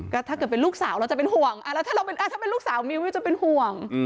ก็ถ้าเกิดเป็นลูกสาวเราจะเป็นห่วงแล้วถ้าเราถ้าเป็นลูกสาวมิ้วจะเป็นห่วง